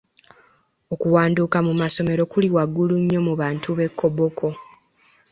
Okuwanduka mu masomero kuli waggulu nnyo mu bantu b'e Koboko.